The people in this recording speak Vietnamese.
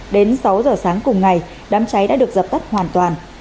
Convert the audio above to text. đến sáu giờ sáng cùng ngày đám cháy đã được dập tắt hoàn toàn